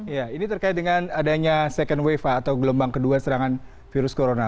ya ini terkait dengan adanya second wave atau gelombang kedua serangan virus corona